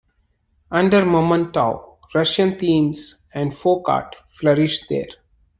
Under Mamontov, Russian themes and folk art flourished there.